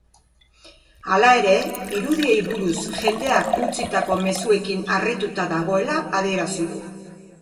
Hala ere, irudiei buruz jendeak utzitako mezuekin harrituta dagoela adierazi du.